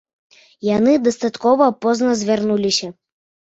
Яны дастаткова позна звярнуліся.